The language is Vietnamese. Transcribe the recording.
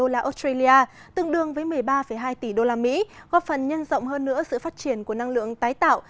là australia tương đương với một mươi ba hai tỷ đô la mỹ góp phần nhân rộng hơn nữa sự phát triển của năng lượng tái tạo